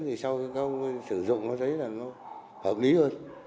thì sau khi các ông sử dụng nó thấy là nó hợp lý hơn